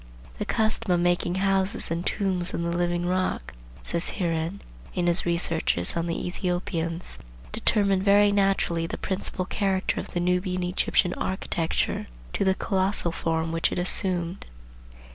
"The custom of making houses and tombs in the living rock," says Heeren in his Researches on the Ethiopians, "determined very naturally the principal character of the Nubian Egyptian architecture to the colossal form which it assumed.